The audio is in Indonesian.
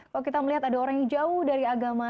kalau kita melihat ada orang yang jauh dari agama